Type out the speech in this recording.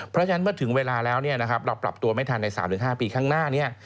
เพราะฉะนั้นเมื่อถึงเวลาแล้วเราปรับตัวไม่ทันใน๓๕ปีข้างหน้านี้